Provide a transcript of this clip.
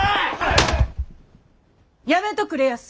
やめとくれやす！